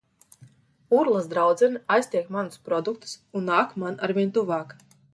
Urlas draudzene aiztiek manus produktus un nāk man arvien tuvāk.